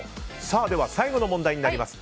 では最後の問題です。